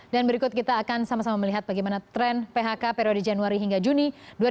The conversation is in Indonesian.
dan berikut kita akan sama sama melihat bagaimana tren phk periode januari hingga juni dua ribu enam belas